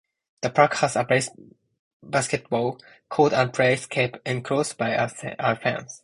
The park has a basketball court and play scape enclosed by a fence.